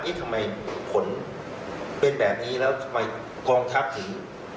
ทำไมผลเป็นแบบนี้แล้วทำไมกองทัพถึง